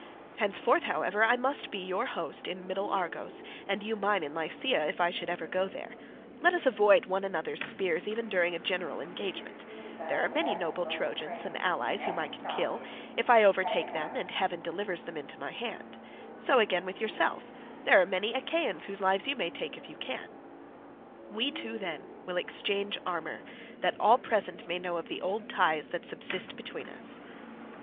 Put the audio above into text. Henceforth, however, I must be your host in middle Argos, and you mine in Lycia, if I should ever go there; let us avoid one another's spears even during a general engagement; there are many noble Trojans and allies whom I can kill, if I overtake them and heaven delivers them into my hand; so again with yourself, there are many Achaeans whose lives you may take if you can; we two, then, will exchange armour, that all present may know of the old ties that subsist between us."